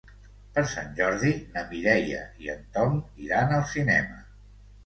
Per Sant Jordi na Mireia i en Tom iran al cinema.